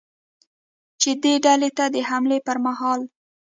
چې دې ډلې ته د حملې پرمهال ل